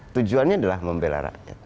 tujuannya adalah membela rakyat